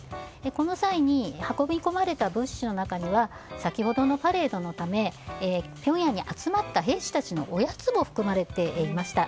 この際に運び込まれた物資の中には先ほどのパレードのためピョンヤンに集まった兵士たちのおやつも含まれていました。